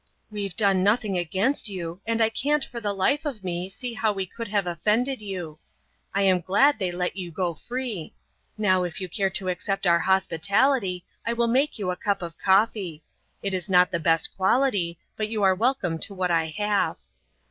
"We've done nothing against you, and I can't for the life of me see how we could have offended you. I am glad they let you go free. Now if you care to accept our hospitality I will make you a cup of coffee. It's not the best quality but you're welcome to what I have."